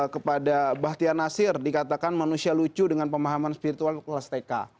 kepada bahtia nasir dikatakan manusia lucu dengan pemahaman spiritual kelas tk